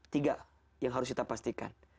tiga yang harus kita pastikan